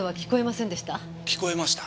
聞こえました。